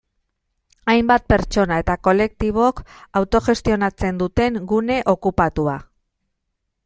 Hainbat pertsona eta kolektibok autogestionatzen duten gune okupatua.